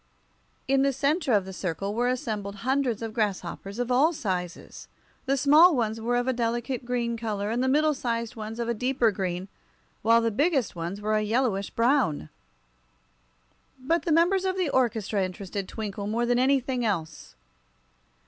In the center of the circle were assembled hundreds of grasshoppers, of all sizes. The small ones were of a delicate green color, and the middle sized ones of a deeper green, while the biggest ones were a yellowish brown. But the members of the orchestra interested Twinkle more than anything else.